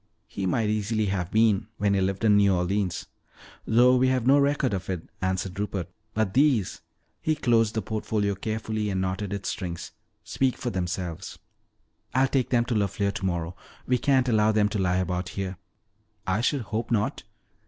"He might easily have been when he lived in New Orleans. Though we have no record of it," answered Rupert. "But these," he closed the portfolio carefully and knotted its strings, "speak for themselves. I'll take them to LeFleur tomorrow. We can't allow them to lie about here." "I should hope not!"